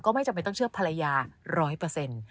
ไม่จำเป็นต้องเชื่อภรรยาร้อยเปอร์เซ็นต์